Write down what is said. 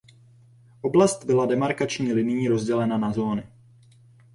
Oblast byla demarkační linií rozdělena na zóny.